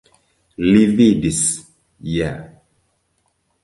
Li vidis ja.